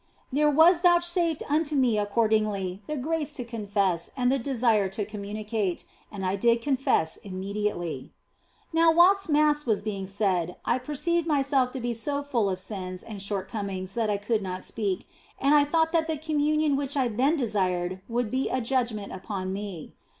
There was vouchsafed unto me accordingly the grace to confess and the desire to communicate, and I did confess immediately. Now whilst Mass was being said, I perceived myself to be so full of sins and shortcomings that I could not speak, and I thought that the Communion which I then desired would be a judgment upon me.